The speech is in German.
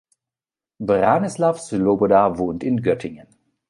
Branislav Sloboda wohnt in Göttingen.